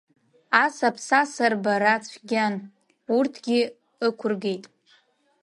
Ас аԥсаса рбара цәгьан, урҭгьы ықәыргеит.